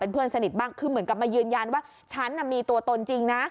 เพื่อนสนิทบ้างคือเหมือนกับมายืนยันว่าฉันมีตัวตนจริงนะ